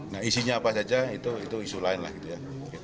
nah isinya apa saja itu isu lain lah gitu ya